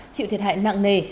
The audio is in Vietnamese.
chịu thiệt hại nặng nề